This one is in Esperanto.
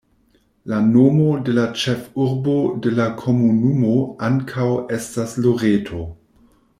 La nomo de la ĉefurbo de la komunumo ankaŭ estas Loreto.